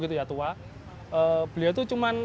beliau itu cuma